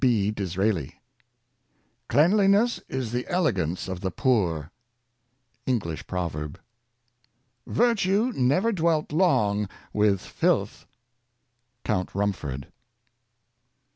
— B. DiSRAELI. ''Cleanliness is the elegance of the poor." — English Proverb. " Virtue never dwelt long with filth.'' — Count Rumford.